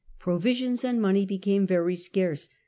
Provisions and money became very scarce.